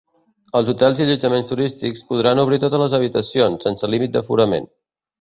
Els hotels i allotjaments turístics podran obrir totes les habitacions, sense límit d’aforament.